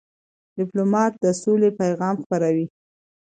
ډيپلومات د سولې پیغام خپروي.